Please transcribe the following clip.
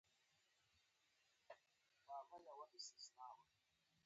د پلورنځي سامانونه باید په ترتیب کې ایښي وي.